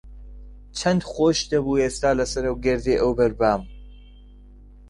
چەند خۆش دەبوو ئێستا لەسەر ئەو گردەی ئەوبەر بام.